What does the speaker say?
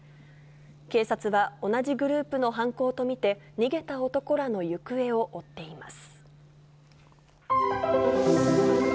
警察は、同じグループの犯行と見て逃げた男らの行方を追っています。